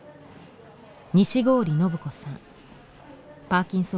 西郡修子さん。